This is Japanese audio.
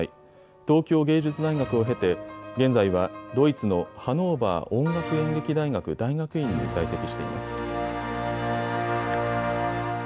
東京藝術大学を経て現在はドイツのハノーバー音楽演劇大学大学院に在籍しています。